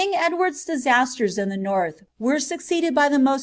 Edward's disasters in the north were succeeded by the most ' Madoz.